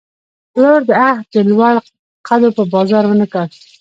پلور مې د عهد، د لوړ قدو په بازار ونه کړ